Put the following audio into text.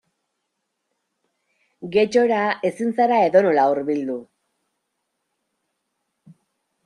Getxora ezin zara edonola hurbildu.